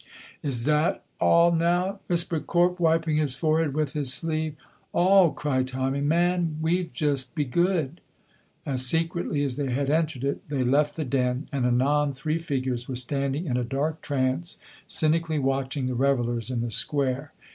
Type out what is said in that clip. "Is that a' now?" whispered Corp, wiping his forehead with his sleeve. "All!" cried Tommy. "Man, we've just begood." As secretly as they had entered it, they left the Den, and anon three figures were standing in a dark trance, cynically watching the revellers in the square.